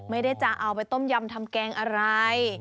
ไม่ได้จะเอาไปต้มยำทำแกงอะไร